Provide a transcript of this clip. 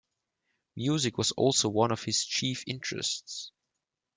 Music was also one of his chief interests.